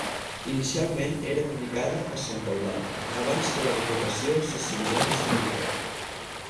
Inicialment era dedicada a santa Eulàlia, abans que l'advocació s'assignés a sant Miquel.